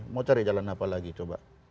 mau cari jalan apa lagi coba